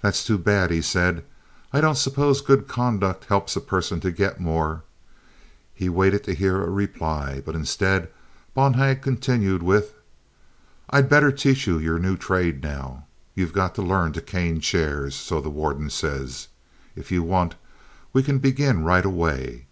"That's too bad," he said. "I don't suppose good conduct helps a person to get more." He waited to hear a reply, but instead Bonhag continued with: "I'd better teach you your new trade now. You've got to learn to cane chairs, so the warden says. If you want, we can begin right away."